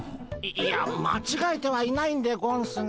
いやまちがえてはいないんでゴンスが。